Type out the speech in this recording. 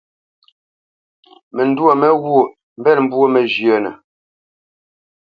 Məndwô mé ghwôʼ mbénə̄ mbwô məzhə́nə.